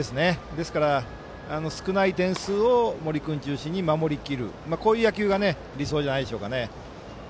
ですから、少ない点数を森君中心に守りきる野球が理想じゃないでしょうか。